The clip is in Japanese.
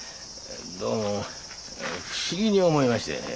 どうも不思議に思いましてね。